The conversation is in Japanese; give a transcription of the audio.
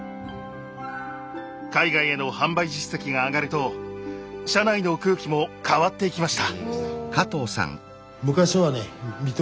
海外への販売実績が上がると社内の空気も変わっていきました。